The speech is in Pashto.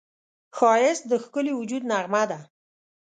ښایست د ښکلي وجود نغمه ده